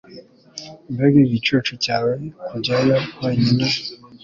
Mbega igicucu cyawe kujyayo wenyine!